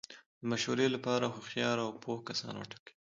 د مشورې له پاره هوښیار او پوه کسان وټاکئ!